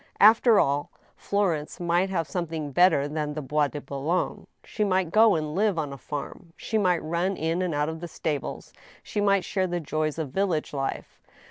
After all, Florence might have something better than the Bois de Boulogne : she might go and live on a farm ; she might run in and out of the stables ; she might share the joys of village life.